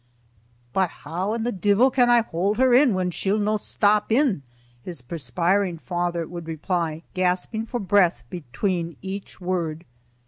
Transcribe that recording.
"But hoo i' the deil can I haud her in when she'll no stop in?" his perspiring father would reply, gasping for breath between each word.